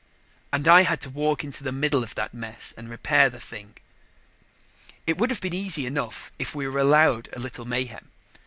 And I had to walk into the middle of that mess and repair the thing. It would have been easy enough if we were allowed a little mayhem.